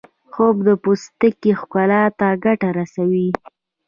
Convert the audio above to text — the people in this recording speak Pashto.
خوب د پوستکي ښکلا ته ګټه رسوي